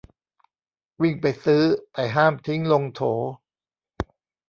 วิ่งไปซื้อ แต่ห้ามทิ้งลงโถ